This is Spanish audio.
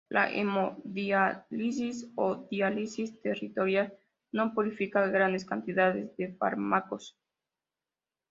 La hemodiálisis o diálisis peritoneal no purifica grandes cantidades de fármacos.